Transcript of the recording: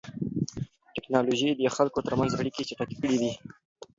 تکنالوژي د خلکو ترمنځ اړیکې چټکې کړې دي.